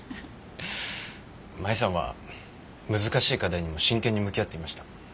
舞さんは難しい課題にも真剣に向き合っていました。